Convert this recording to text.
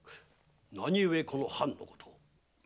何故この藩のことを？